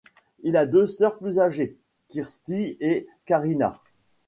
Il a deux sœurs plus âgées, Kirsty et Karina.